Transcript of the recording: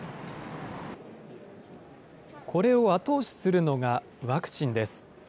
これを後押しするのがワクチンです。